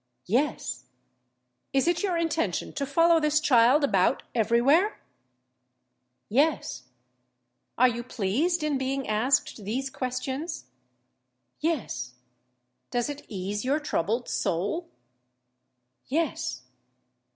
"Yes." "Is it your intention to follow this child about every where?" "Yes." "Are you pleased in being asked these questions?" "Yes." "Does it ease your troubled soul?" "Yes."